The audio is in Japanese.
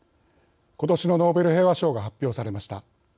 今年のノーベル平和賞が発表されました。